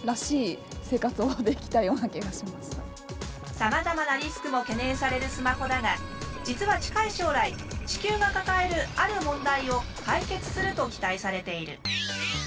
さまざまなリスクも懸念されるスマホだが実は近い将来地球が抱えるある問題を解決すると期待されている。